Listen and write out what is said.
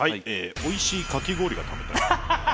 「おいしいかき氷が食べたい」ハハハハ！